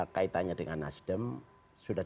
kaitannya dengan nasdem sudah